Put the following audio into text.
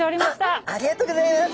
あっありがとうギョざいます。